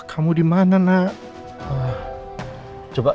kamu dimana nak